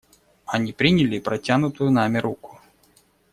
Они приняли протянутую нами руку.